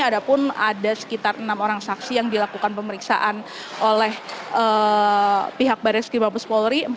ada pun ada sekitar enam orang saksi yang dilakukan pemeriksaan oleh pihak baris krim mabes polri